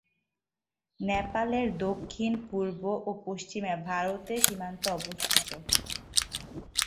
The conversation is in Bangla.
নেপালের দক্ষিণ, পূর্ব ও পশ্চিমে ভারতের সীমান্ত অবস্থিত।